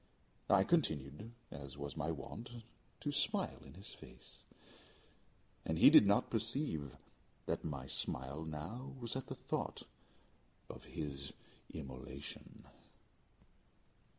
I continued, as was my wont, to smile in his face, and he did not perceive that my smile now was at the thought of his immolation.